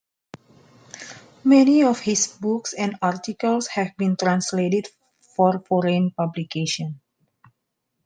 Many of his books and articles have been translated for foreign publication.